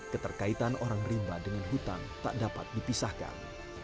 keterkaitan orang rimba dengan hutan tak dapat dipisahkan